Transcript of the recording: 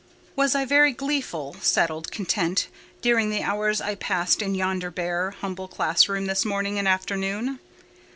Was I very gleeful, settled, content, during the hours I passed in yonder bare, humble schoolroom this morning and afternoon?